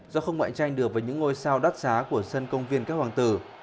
do không ngoại tranh được với những ngôi sao đắt xá của sân công viên các hoàng tử